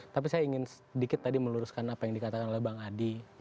tapi saya ingin sedikit tadi meluruskan apa yang dikatakan oleh bang adi